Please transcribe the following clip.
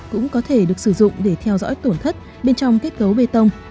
cũng có thể được sử dụng để theo dõi tổn thất bên trong kết cấu bê tông